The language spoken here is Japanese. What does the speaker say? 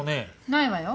ないわよ。